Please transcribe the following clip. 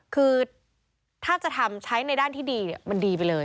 คือถ้าจะทำใช้ในด้านที่ดีมันดีไปเลย